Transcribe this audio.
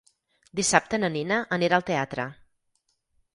Dissabte na Nina anirà al teatre.